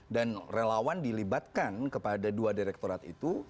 dan relawan dilibatkan kepada dua direktorat itu